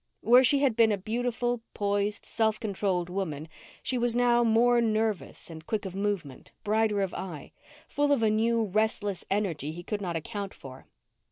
Where she had been a beautiful, poised, self controlled woman, she was now more nervous and quick of movement, brighter of eye, full of a new restless energy he could not account for.